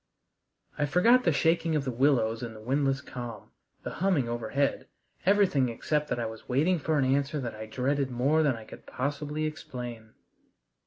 I forgot the shaking of the willows in the windless calm, the humming overhead, everything except that I was waiting for an answer that I dreaded more than I can possibly explain.